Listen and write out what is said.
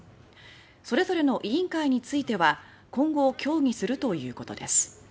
それぞれの委員会については今後、協議するということです。